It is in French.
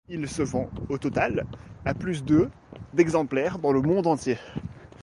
Il se vend, au total, à plus de d'exemplaires dans le monde entier.